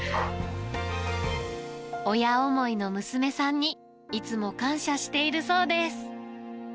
親思いの娘さんに、いつも感謝しているそうです。